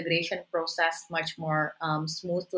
masih berkomitmen ke misi